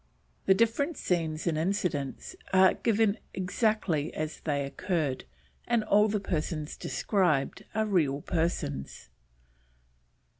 The different scenes and incidents are given exactly as they occurred, and all the persons described are real persons.